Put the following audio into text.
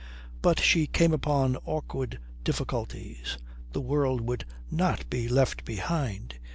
But she came upon awkward difficulties. The world would not be left behind.